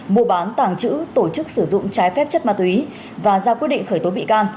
mua bán tàng trữ tổ chức sử dụng trái phép chất ma túy và ra quyết định khởi tố bị can